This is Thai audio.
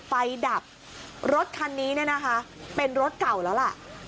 ดับรถคันนี้เนี่ยนะคะเป็นรถเก่าแล้วล่ะ